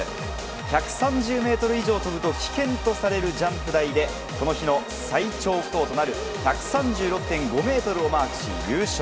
１３０ｍ以上飛ぶと危険とされるジャンプ台でこの日の最長飛行となる１３６．５ｍをマークし、優勝。